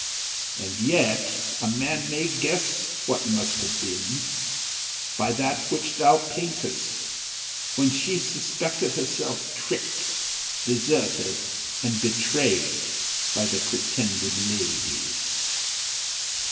—And yet a man may guess what must have been, by that which thou paintest, when she suspected herself tricked, deserted, and betrayed, by the pretended ladies.